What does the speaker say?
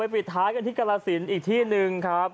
ปิดท้ายกันที่กรสินอีกที่หนึ่งครับ